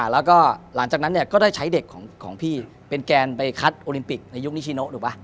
แล้วก็หลังจากนั้นก็ได้ใช้เด็กของพี่เป็นแกนไปคัดโอลิมปิกในยุคนิชิโนถูกป่ะ